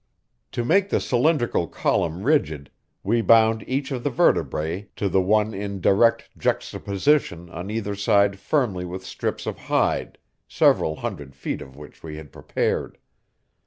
To make the cylindrical column rigid, we bound each of the vertebrae to the one in direct juxtaposition on either side firmly with strips of hide, several hundred feet of which we had prepared.